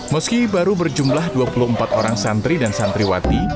meski baru berjumlah dua puluh empat orang santri dan santriwati